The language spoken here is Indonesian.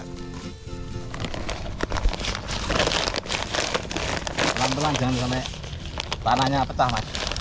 pelan pelan jangan sampai tanahnya pecah mas